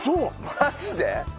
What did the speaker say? マジで！？